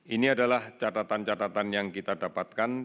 ini adalah catatan catatan yang kita dapatkan